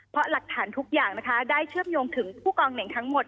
เพราะหลักฐานทุกอย่างนะคะได้เชื่อมโยงถึงผู้กองเหน่งทั้งหมด